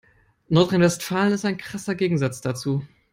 Nordrhein-Westfalen ist ein krasser Gegensatz dazu.